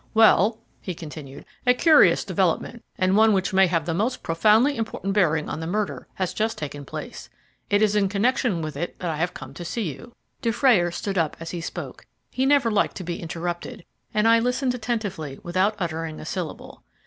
"Well," he continued, "a curious development, and one which may have the most profoundly important bearing on the murder, has just taken place it is in connection with it that I have come to see you." Dufrayer stood up as he spoke. He never liked to be interrupted, and I listened attentively without uttering a syllable.